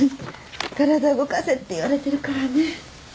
体動かせって言われてるからね。